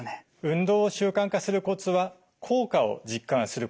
運動を習慣化するコツは効果を実感すること